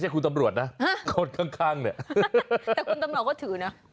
แต่คุณตำนอกก็ถือเนอะ